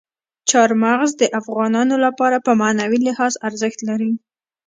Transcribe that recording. چار مغز د افغانانو لپاره په معنوي لحاظ ارزښت لري.